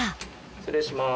失礼します。